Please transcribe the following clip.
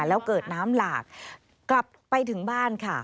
แล้วเกิดน้ำหลากกลับไปถึงบ้านค่ะ